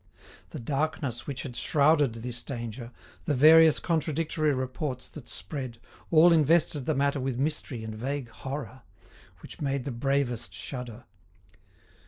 The darkness which had shrouded this danger, the various contradictory reports that spread, all invested the matter with mystery and vague horror, which made the bravest shudder.